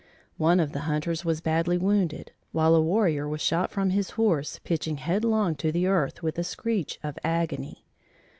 One of the hunters was badly wounded, while a warrior was shot from his horse pitching headlong to the earth with a screech of agony.